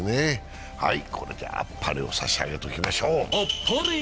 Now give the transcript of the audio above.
これであっぱれを差し上げておきましょう。